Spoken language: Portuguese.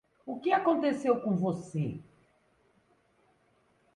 O que aconteceu com você?